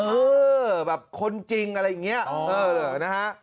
เออแบบคนจริงอะไรอย่างนี้นะฮะ